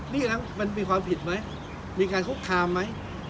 นี่นะมันมีความผิดไหมมีการคุกคามไหม